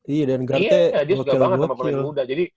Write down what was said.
iya dia suka banget sama pemain muda jadi